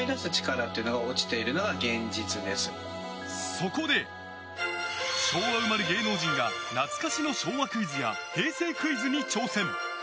そこで、昭和生まれ芸能人が懐かしの昭和クイズや平成クイズに挑戦。